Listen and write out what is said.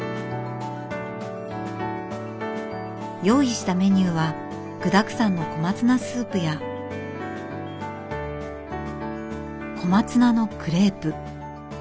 用意したメニューは具だくさんの小松菜スープや小松菜のクレープ。